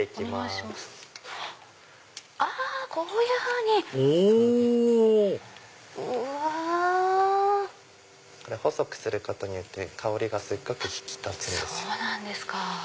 うわ！細くすることによって香りがすごく引き立つんですよ。